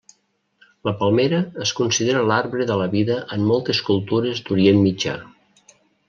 La palmera es considera l'arbre de la vida en moltes cultures d'Orient Mitjà.